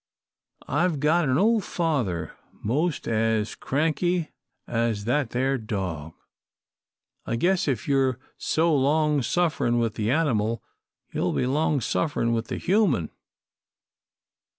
I've got an old father 'most as cranky as that there dog. I guess if you're so long suffering with the animal, you'll be long suffering with the human.